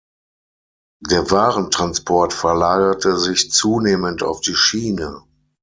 Der Warentransport verlagerte sich zunehmend auf die Schiene.